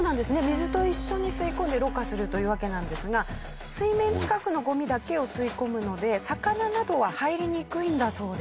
水と一緒に吸い込んでろ過するというわけなんですが水面近くのゴミだけを吸い込むので魚などは入りにくいんだそうです。